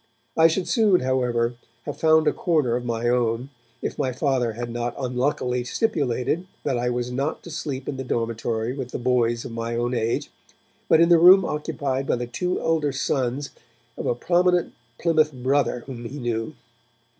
I should soon, however, have found a corner of my own if my Father had not unluckily stipulated that I was not to sleep in the dormitory with the boys of my own age, but in the room occupied by the two elder sons of a prominent Plymouth Brother whom he knew.